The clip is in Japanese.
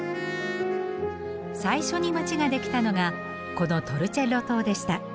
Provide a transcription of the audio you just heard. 最初に街ができたのがこのトルチェッロ島でした。